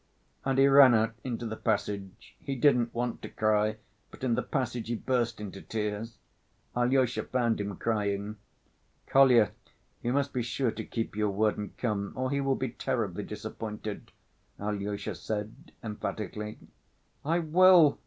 And he ran out into the passage. He didn't want to cry, but in the passage he burst into tears. Alyosha found him crying. "Kolya, you must be sure to keep your word and come, or he will be terribly disappointed," Alyosha said emphatically. "I will!